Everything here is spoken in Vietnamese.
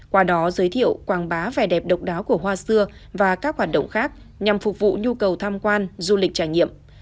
qua đó giới thiệu quảng bá vẻ đẹp độc đáo của hoa xưa và các hoạt động khác nhằm phục vụ nhu cầu tham quan du lịch trải nghiệm